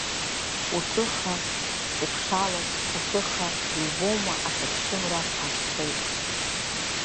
Уҿыха Сыԥшалас, уҿыха, Иубома Ахьыԥшымра ҳазшеит.